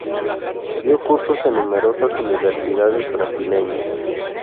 Dio cursos en numerosas universidades brasileñas.